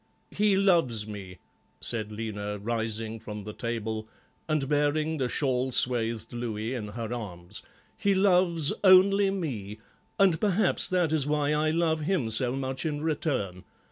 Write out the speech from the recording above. "He loves me," said Lena, rising from the table, and bearing the shawl swathed Louis in her arms. "He loves only me, and perhaps that is why I love him so much in return.